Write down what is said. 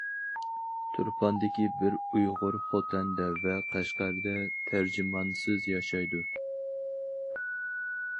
تۇرپاندىكى بىر ئۇيغۇر خوتەندە ۋە قەشقەردە تەرجىمانسىز ياشايدۇ.